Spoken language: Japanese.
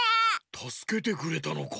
たすけてくれたのか。